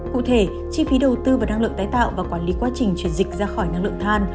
cụ thể chi phí đầu tư vào năng lượng tái tạo và quản lý quá trình chuyển dịch ra khỏi năng lượng than